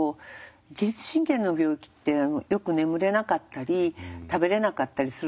自律神経の病気ってよく眠れなかったり食べれなかったりするんですけど